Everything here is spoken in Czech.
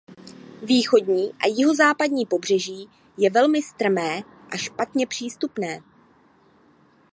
Východní a jihozápadní pobřeží je velmi strmé a špatně přístupné.